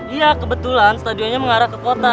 iya kebetulan stadionnya mengarah ke kota